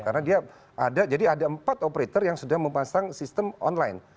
karena dia ada jadi ada empat operator yang sudah memasang sistem online